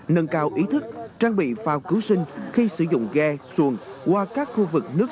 nâng cao ý thức trang bị phao cứu sinh khi sử dụng ghe xuồng qua các khu vực nước